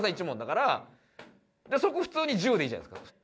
１問だからそこ普通に１０でいいじゃないですか。